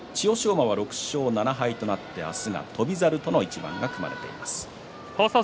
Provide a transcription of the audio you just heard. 馬は６勝７敗となって明日は翔猿との一番が組まれています。